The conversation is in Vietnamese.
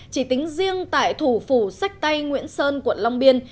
chỉ tính riêng tại thủ phủ sách tay nguyễn sơn quận long biên